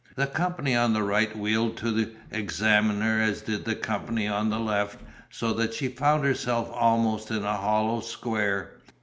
The company on the right wheeled to examine her as did the company on the left, so that she found herself almost in a hollow square.